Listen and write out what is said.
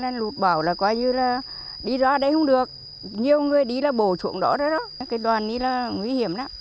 nhiều người đi là bổ trộm đó đó cái đoàn đi là nguy hiểm lắm